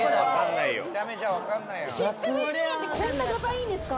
システムエンジニアってこんなガタイいいんですか？